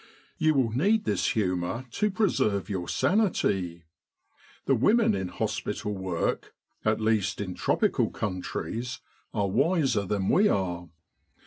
You will need this humour to preserve your sanity. The women in hospital work, at least With the R.A.M.C. in Egypt in tropical countries, are wiser than we are.